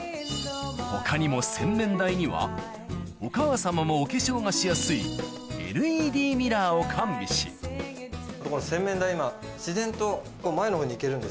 他にも洗面台にはお母様もお化粧がしやすいを完備しこの洗面台今。